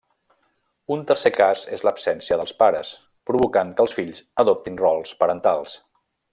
Un tercer cas és l'absència dels pares, provocant que els fills adopten rols parentals.